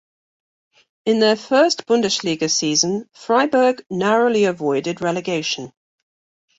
In their first Bundesliga season, Freiburg narrowly avoided relegation.